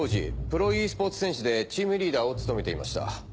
プロｅスポーツ選手でチームリーダーを務めていました。